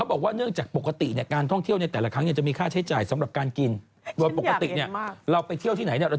ออกได้สิ